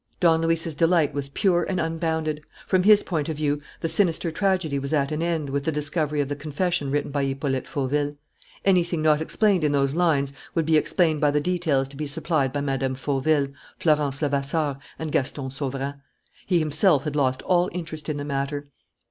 Don Luis's delight was pure and unbounded. From his point of view, the sinister tragedy was at an end with the discovery of the confession written by Hippolyte Fauville. Anything not explained in those lines would be explained by the details to be supplied by Mme. Fauville, Florence Levasseur, and Gaston Sauverand. He himself had lost all interest in the matter.